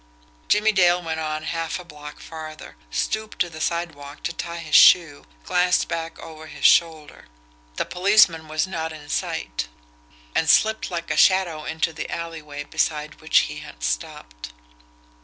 Jimmie Dale went on half a block farther, stooped to the sidewalk to tie his shoe, glanced back over his shoulder the policeman was not in sight and slipped like a shadow into the alleyway beside which he had stopped.